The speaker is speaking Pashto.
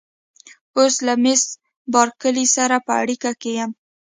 اوس له مېس بارکلي سره په اړیکه کې یم.